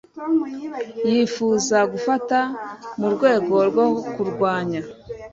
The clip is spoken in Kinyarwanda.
yifuza gufata mu rwego rwo kurwanya